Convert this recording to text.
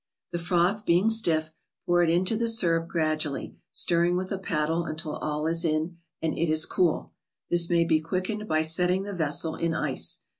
The froth being stiff, pour it into the syrup gradually, stirring with a paddle until all is in, and it is cool. This may be quickened by setting the vessel in ice.